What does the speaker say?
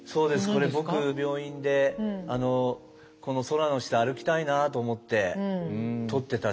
これ僕病院でこの空の下歩きたいなと思って撮ってた写真です。